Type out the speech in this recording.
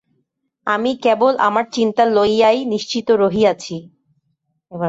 আমি কেবল আমার চিন্তা লইয়াই নিশ্চিন্ত রহিয়াছি।